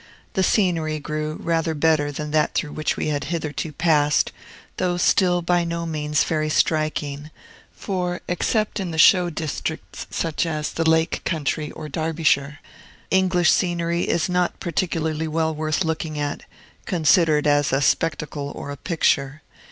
The scenery grew rather better than that through which we had hitherto passed, though still by no means very striking; for (except in the show districts, such as the Lake country, or Derbyshire) English scenery is not particularly well worth looking at, considered as a spectacle or a picture.